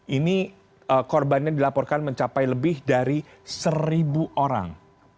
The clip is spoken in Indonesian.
ini korbannya dilaporkan mencapai lebih dari seribu orang